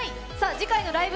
次回の「ライブ！